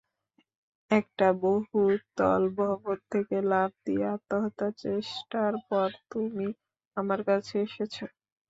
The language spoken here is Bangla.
একটা বহুতল ভবন থেকে লাফ দিয়ে আত্মহত্যার চেষ্টার পর তুমি আমার কাছে এসেছ।